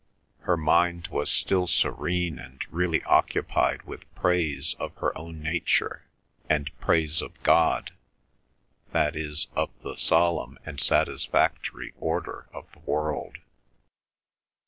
Her mind was still serene and really occupied with praise of her own nature and praise of God, that is of the solemn and satisfactory order of the world.